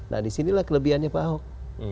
nah disinilah kelebihannya pak ahok